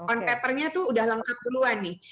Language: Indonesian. on paper nya itu sudah lengkap duluan nih